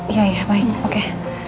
iya baik oke